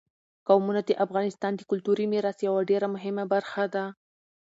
قومونه د افغانستان د کلتوري میراث یوه ډېره مهمه برخه ده.